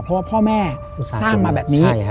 เพราะว่าพ่อแม่สร้างมาแบบนี้